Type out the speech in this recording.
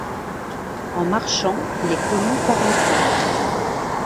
En marchant, les colons parlaient peu.